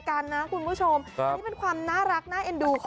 จูเนียน่ารักมาก